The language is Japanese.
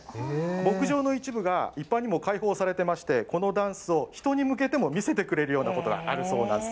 牧場の一部が一般にも開放されてまして、このダンスを人に向けても見せてくれるようなことがあるそうなんです。